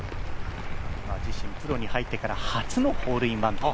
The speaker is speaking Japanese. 自身プロに入ってから初のホールインワンと。